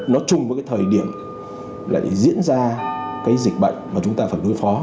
nó chung với thời điểm diễn ra dịch bệnh mà chúng ta phải đối phó